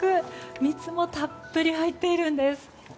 蜜もたっぷり入っているんです。